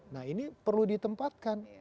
nah ini perlu ditempatkan